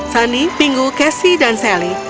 sunny pingu kesi dan sally